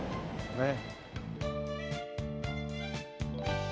ねっ。